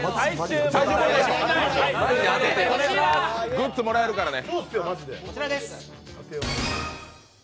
グッズもらえるからね。